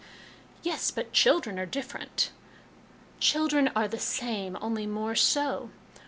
" Yes, but children are different." " Children are the same, ' only more so.'